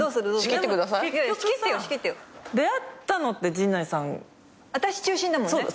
結局さ出会ったのって陣内さん。私中心だもんね。